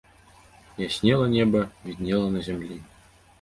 Яснела неба, віднела на зямлі.